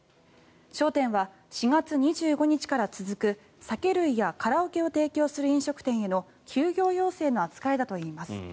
焦点は４月２５日から続く酒類やカラオケを提供する飲食店への休業要請の扱いだといいます。